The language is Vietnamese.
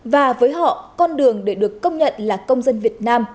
và với họ con đường để được công nhận là công dân việt nam